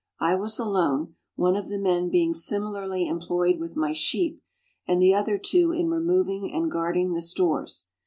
I was alone one of the men being similarly employed with my sheep, and the other two in removing and guarding the stores.